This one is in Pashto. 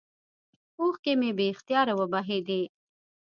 اوښكې مې بې اختياره وبهېدې.